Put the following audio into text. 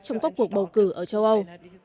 trong các cuộc bầu cử ở châu âu